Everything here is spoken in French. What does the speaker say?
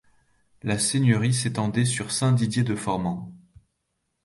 La seigneurie s'étendait sur Saint-Didier-de-Formans.